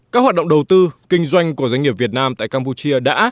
các hoạt động đầu tư kinh doanh của doanh nghiệp việt nam tại campuchia đã